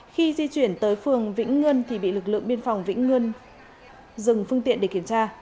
khi di chuyển tới phường vĩnh ngân thì bị lực lượng biên phòng vĩnh ngươn dừng phương tiện để kiểm tra